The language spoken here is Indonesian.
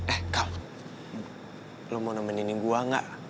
eh kal lo mau nemenin gue nggak